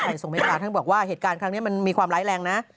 ใครส่งไม้กลางทั้งบอกว่าเหตุการณ์ครั้งนี้มันมีความร้ายแรงนะ